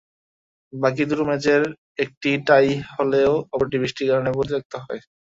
বাকি দুটো ম্যাচের একটি টাই হলেও অপরটি বৃষ্টির কারণে পরিত্যক্ত হয়।